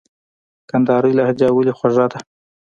کندهارۍ لهجه ولي خوږه ده ؟